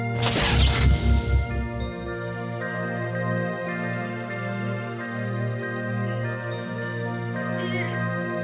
nanti gue berubah